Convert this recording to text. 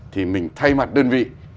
thì mình thay mặt đơn vị